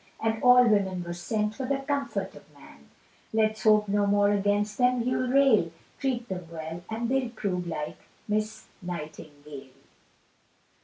And all women were sent for the comfort of man; Let's hope no more against them you'll rail, Treat them well, and they'll prove like Miss Nightingale.